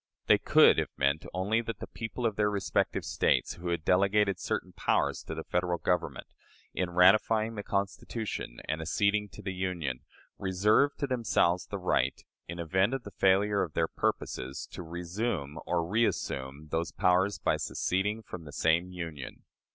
They could have meant only that the people of their respective States who had delegated certain powers to the Federal Government, in ratifying the Constitution and acceding to the Union, reserved to themselves the right, in event of the failure of their purposes, to "resume" (or "reassume") those powers by seceding from the same Union.